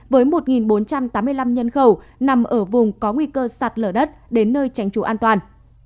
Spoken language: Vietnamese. với một bốn trăm tám mươi năm nhân khẩu nằm ở vùng có nguy cơ sạt lở đất đến nơi tránh trú an toàn